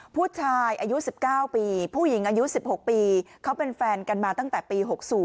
ผู้ชายอายุ๑๙ปีผู้หญิงอายุ๑๖ปีเขาเป็นแฟนกันมาตั้งแต่ปี๖๐